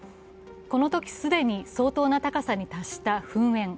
このとき既に相当な高さに達した噴煙。